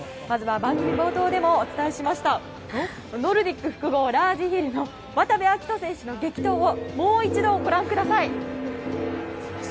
まずは番組冒頭でもお伝えしましたノルディック複合ラージヒルの渡部暁斗選手の激闘をもう一度ご覧ください。